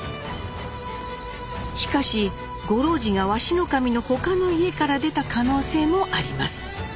しかし五郎治が鷲神の他の家から出た可能性もあります。